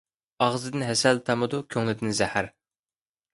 ئاغزىدىن ھەسەل تامىدۇ، كۆڭلىدىن زەھەر.